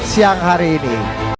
siang hari ini